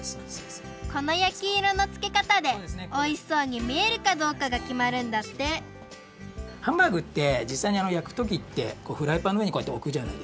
このやきいろのつけかたでおいしそうにみえるかどうかがきまるんだってハンバーグってじっさいにやくときってフライパンのうえにこうやっておくじゃないですか。